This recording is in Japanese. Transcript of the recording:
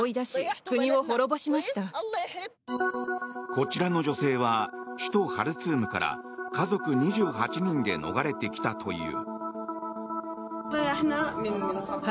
こちらの女性は首都ハルツームから家族２８人で逃れてきたという。